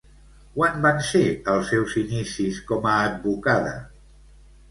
Quan van ser els seus inicis com a advocada?